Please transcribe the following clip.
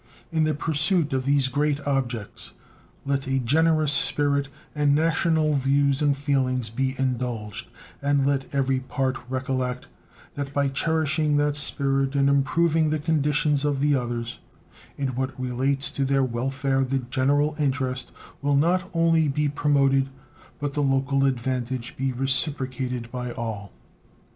In the pursuit of these great objects let a generous spirit and national views and feelings be indulged, and let every part recollect that by cherishing that spirit and improving the condition of the others in what relates to their welfare the general interest will not only be promoted, but the local advantage be reciprocated by all.